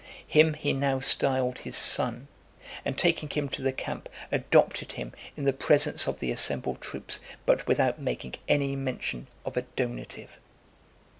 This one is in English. Him he now styled his son, and taking him to the camp, adopted him in the presence of the assembled troops, but without making any mention of a donative.